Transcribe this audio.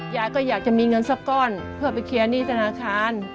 ยายก็อยากจะมีเงินสักก้อนเพื่อไปเคลียร์หนี้ธนาคาร